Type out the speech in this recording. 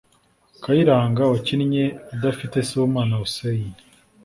Kayiranga wakinnye adafite Sibomana Hussein